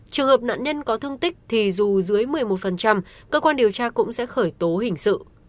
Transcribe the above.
trường hợp nạn nhân có thương tích thì dù dưới một mươi một cơ quan điều tra cũng sẽ khởi tố hình sự